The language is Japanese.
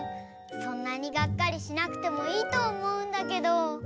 そんなにがっかりしなくてもいいとおもうんだけど。